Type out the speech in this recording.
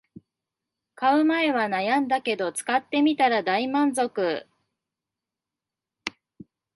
買う前は悩んだけど使ってみたら大満足